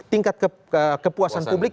tingkat kepuasan publik